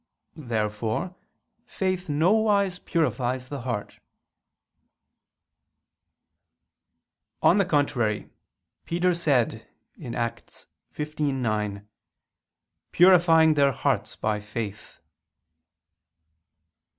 Therefore faith nowise purifies the heart. On the contrary, Peter said (Acts 15:9): "Purifying their hearts by faith."